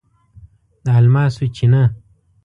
د الماسو چینه